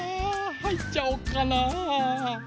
はいっちゃおっかな。